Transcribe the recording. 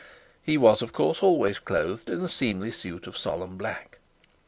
He was, of course, always clothed in a seemly suit of solemn black.